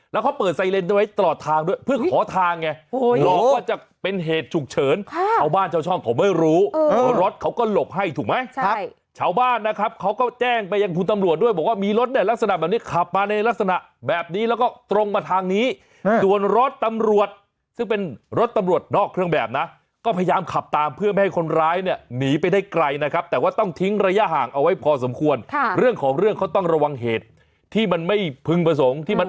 แล้วเขาเปิดไซเลนได้ไว้ตลอดทางด้วยเพื่อขอทางไง